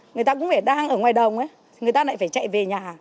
người ta cũng phải đang ở ngoài đồng người ta lại phải chạy về nhà